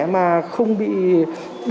mà không bị nhiễm covid một mươi chín